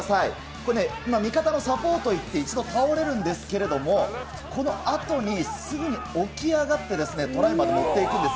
これ、今、味方のサポートいって一度倒れるんですけれども、このあとにすぐに起き上がって、トライまで持っていくんです。